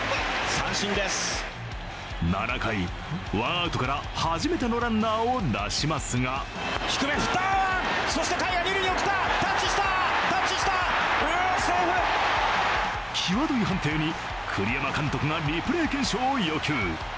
７回ワンアウトから初めてのランナーを出しますがきわどい判定に栗山監督がリプレー検証を要求。